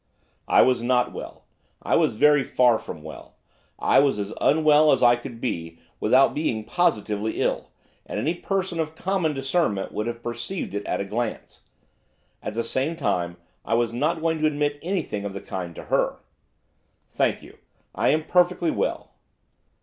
I was not well, I was very far from well. I was as unwell as I could be without being positively ill, and any person of common discernment would have perceived it at a glance. At the same time I was not going to admit anything of the kind to her. 'Thank you, I am perfectly well.